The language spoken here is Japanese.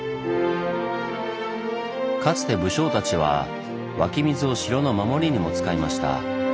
かつて武将たちは湧き水を城の守りにも使いました。